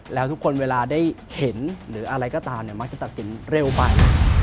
แล้วทุกคนเวลาได้เห็นหรืออะไรก็ตามมักจะตัดสินเร็วไป